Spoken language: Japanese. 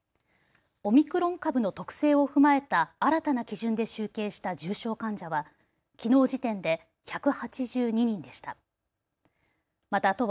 オミクロン株の特性を踏まえた新たな基準で集計した重症患者はきのう時点で１８２人でした。